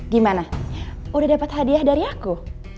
gimana udah dapat hadiah dari aku